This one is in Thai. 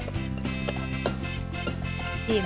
ปรุง